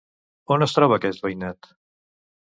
On es troba aquest veïnat?